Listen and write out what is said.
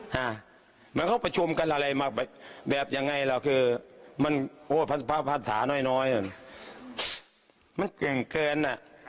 เหมือนเขาประชุมกันอะไรแบบยังไงแล้วคือมันพันธาหน่อยมันเก่งเกิน